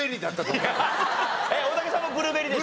大竹さんもブルーベリーでした？